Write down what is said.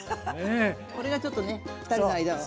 これがちょっとねふたりの間を。